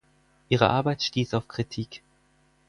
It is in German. Ihre Arbeit stieß auf Kritik.